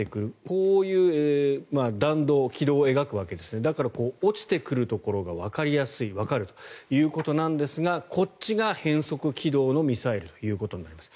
こういう弾道、軌道を描くわけですがだから、落ちてくるところがわかりやすいわかるということなんですがこっちが変則軌道のミサイルということになります。